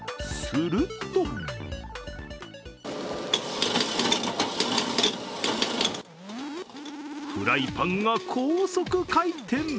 するとフライパンが高速回転。